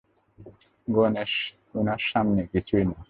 গ্যানেশ উনার সামনে, কিছুই না।